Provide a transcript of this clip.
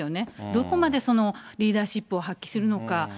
どこまでリーダーシップを発揮するのか。